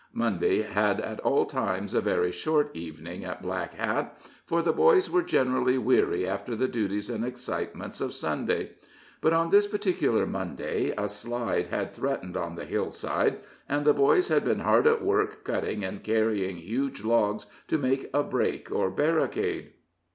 Monday had at all times a very short evening at Black Hat, for the boys were generally weary after the duties and excitements of Sunday; but on this particular Monday a slide had threatened on the hillside, and the boys had been hard at work cutting and carrying huge logs to make a break or barricade.